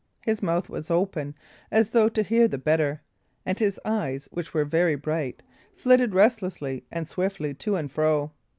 His mouth was open, as though to hear the better; and his eyes, which were very bright, flitted restlessly and swiftly to and fro.